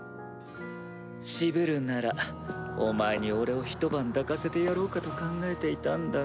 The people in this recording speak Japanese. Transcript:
渋るならお前に俺をひと晩抱かせてやろうかと考えていたんだが。